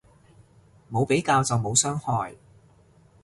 冇比較就冇傷害